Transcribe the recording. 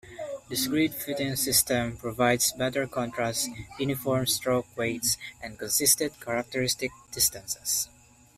This grid fitting system provides better contrast, uniform stroke weights, and consistent characteristic distances.